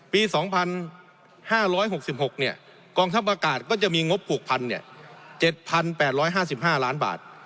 ปี๒๕๖๖เนี่ยกองทัพประกาศก็จะมีงบผูกพันธุ์๗๘๕๕ล้านบาท